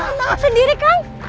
tangan sendiri kang